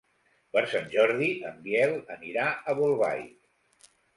Per Sant Jordi en Biel anirà a Bolbait.